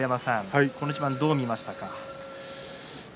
この一番どう見ましたか。